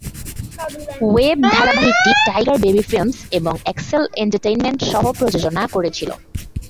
Web ধারাবাহিকটি Tiger Baby Films এবং Excel Entertainment সহ-প্রযোজনা করেছিল।